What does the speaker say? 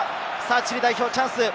チリ代表チャンス。